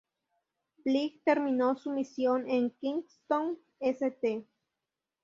Bligh terminó su misión en Kingstown, St.